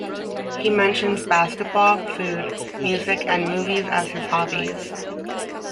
He mentions basketball, food, music and movies as his hobbies.